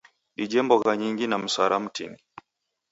Dije mbogha nyingi na mswara mtini..